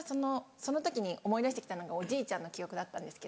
その時に思い出して来たのがおじいちゃんの記憶だったんですけど。